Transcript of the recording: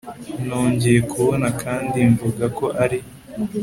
Nongeye kubona kandi mvuga ko ari